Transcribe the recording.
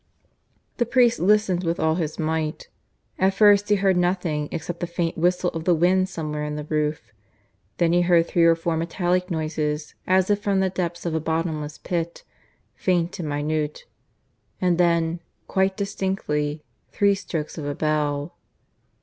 The priest listened with all his might. At first he heard nothing except the faint whistle of the wind somewhere in the roof. Then he heard three or four metallic noises, as if from the depths of a bottomless hit, faint and minute; and then, quite distinctly, three strokes of a bell.